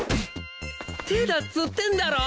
手だっつってんだろ！